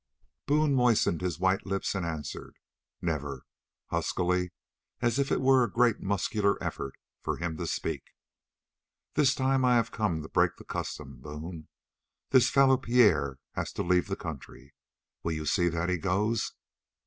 Boone moistened his white lips and answered: "Never," huskily, as if it were a great muscular effort for him to speak. "This time I have to break the custom. Boone, this fellow Pierre has to leave the country. Will you see that he goes?"